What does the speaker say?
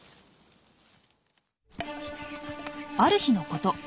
ある日のこと。